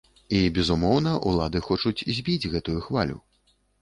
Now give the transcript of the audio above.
І, безумоўна, улады хочуць збіць гэтую хвалю.